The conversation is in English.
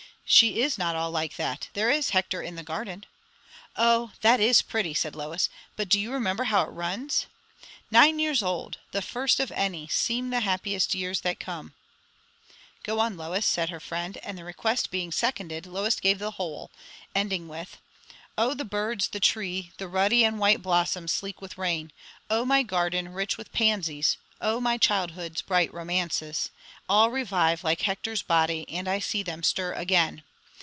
"She is not all like that. There is 'Hector in the Garden.'" "O, that is pretty!" said Lois. "But do you remember how it runs? 'Nine years old! The first of any Seem the happiest years that come '" "Go on, Lois," said her friend. And the request being seconded, Lois gave the whole, ending with 'Oh the birds, the tree, the ruddy And white blossoms, sleek with rain! Oh my garden, rich with pansies! Oh my childhood's bright romances! All revive, like Hector's body, And I see them stir again!